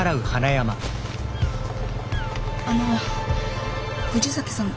あの藤崎さん